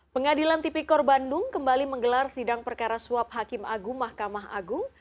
pengadilan tipikor bandung kembali menggelar sidang perkara suap hakim agung mahkamah agung